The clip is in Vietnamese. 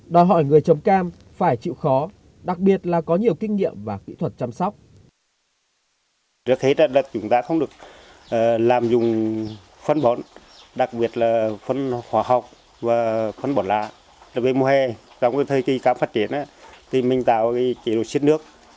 đòi hỏi người trồng cam phải chịu khó đặc biệt là có nhiều kinh nghiệm và kỹ thuật chăm sóc